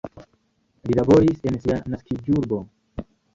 Li laboris en sia naskiĝurbo.